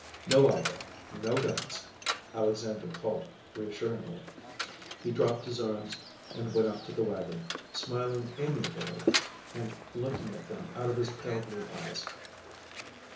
"No, Ivar, no guns," Alexandra called reassuringly. He dropped his arms and went up to the wagon, smiling amiably and looking at them out of his pale blue eyes.